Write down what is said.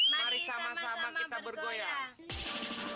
mari sama sama kita bergoyang